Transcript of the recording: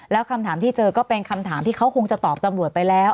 แล้วคำถามที่เจอก็เป็นคำถามที่เขาคงจะตอบตำรวจไปแล้ว